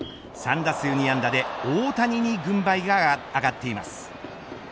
３打数２安打で大谷に軍配が上がっています。